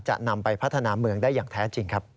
จะนำไปพัฒนาเมืองได้อย่างแท้จริงครับ